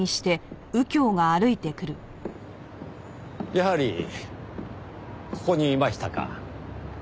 やはりここにいましたか。